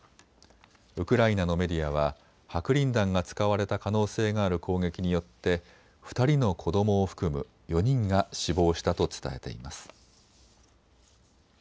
ウクライナのメディアは白リン弾が使われた可能性がある攻撃によって２人の子どもを含む４人が死亡したと伝えています。